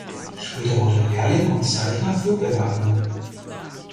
Später wurde er Lehrling und Zeichner für Berlage.